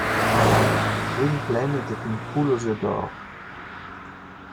Gwynplaine était une poule aux œufs d’or.